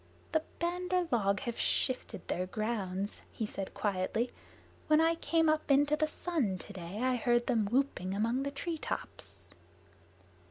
"The Bandar log have shifted their grounds," he said quietly. "When I came up into the sun today I heard them whooping among the tree tops."